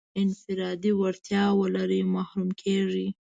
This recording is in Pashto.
انفرادي وړتیا ولري محروم کېږي.